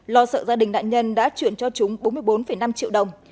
lo sợ gia đình nạn nhân đã chuyển cho chúng bốn mươi bốn năm triệu đồng